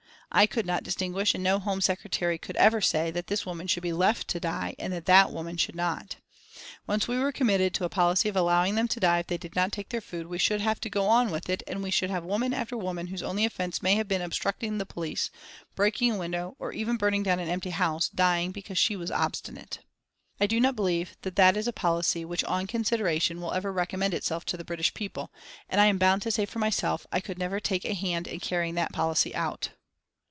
I could not distinguish, and no Home Secretary could ever say, that this woman should be left to die and that that woman should not. Once we were committed to a policy of allowing them to die if they did not take their food we should have to go on with it, and we should have woman after woman whose only offence may have been obstructing the police, breaking a window, or even burning down an empty house, dying because she was obstinate. I do not believe that that is a policy which on consideration will ever recommend itself to the British people, and I am bound to say for myself I could never take a hand in carrying that policy out."